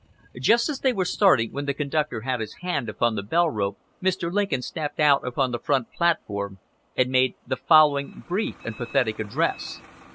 Just as they were starting, when the conductor had his hand upon the bell rope, Mr. Lincoln stepped out upon the front platform and made the following brief and pathetic address.